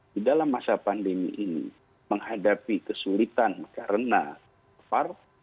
di dalam masa pandemi ini menghadapi kesulitan karena apar